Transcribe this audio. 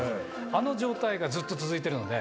あの状態がずっと続いてるので。